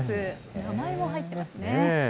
名前も入っていますね。